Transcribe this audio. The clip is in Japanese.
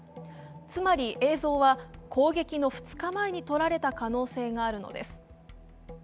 つまり映像は攻撃の２日前に撮られた可能性があるのです。